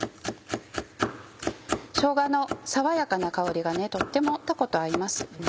しょうがの爽やかな香りがとってもたこと合いますよね。